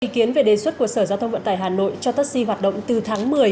ý kiến về đề xuất của sở giao thông vận tải hà nội cho taxi hoạt động từ tháng một mươi